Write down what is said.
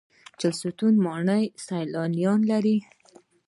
چهلستون ماڼۍ سیلانیان لري